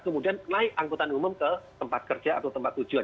kemudian naik angkutan umum ke tempat kerja atau tempat tujuan